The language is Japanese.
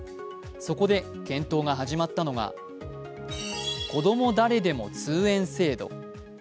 そこで検討が始まったのがこども誰でも通園制度。